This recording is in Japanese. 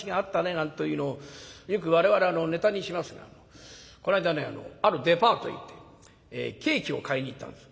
なんというのをよく我々ネタにしますがこの間ねあるデパートへ行ってケーキを買いに行ったんです。